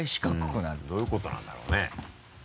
うんどういうことなんだろうね。